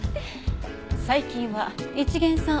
最近は一見さん